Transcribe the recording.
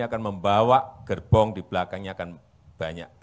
akan membawa gerbong di belakangnya akan banyak